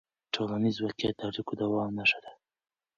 ټولنیز واقیعت د اړیکو د دوام نښه ده.